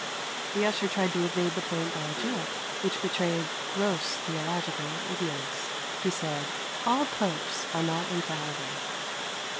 The usher tried to evade the point by a joke, which betrayed gross theological ignorance. He said: "All Popes are not infallible."